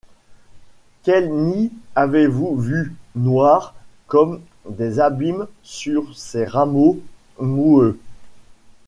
Quels nids avez-vous vus, noirs comme des abîmes Sur ces rameaux noueux?